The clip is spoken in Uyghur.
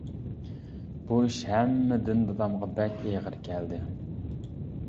بۇ ئىش ھەممىدىن دادامغا بەك ئېغىر كەلدى.